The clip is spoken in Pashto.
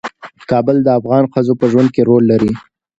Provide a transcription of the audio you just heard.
کابل د افغان ښځو په ژوند کې رول لري.